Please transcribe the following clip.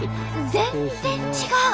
全然違う！